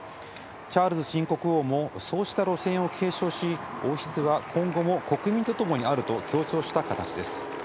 チャールズ新国王もそうした路線を継承し、王室は今後も国民とともにあると強調した形です。